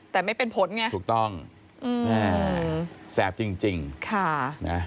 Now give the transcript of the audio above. แต่ไม่เป็นผลไงอเจมส์ถูกต้องแสบจริงค่ะ